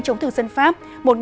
chống thực dân pháp